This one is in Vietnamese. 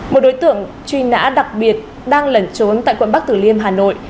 một đối tượng truy nã đặc biệt đang lẩn trốn tại quận bắc tử liêm hà nội